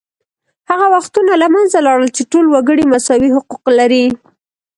هغه وختونه له منځه لاړل چې ټول وګړي مساوي حقوق لري